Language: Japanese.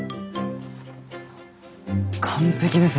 完璧です。